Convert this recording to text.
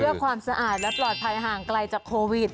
เพื่อความสะอาดและปลอดภัยห่างไกลจากโควิด